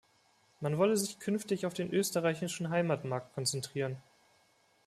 Man wolle sich künftig auf den österreichischen Heimatmarkt konzentrieren.